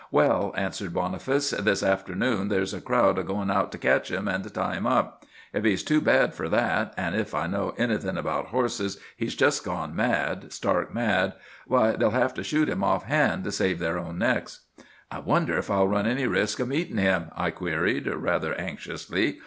"'Well,' answered Boniface, 'this afternoon there's a crowd goin' out to ketch him an' tie him up. If he's too bad fur that,—an' if I know anything about horses he's jest gone mad, stark mad,—why, they'll have to shoot him off hand, to save their own necks.' "'I wonder if I'll run any risk of meeting him?' I queried rather anxiously.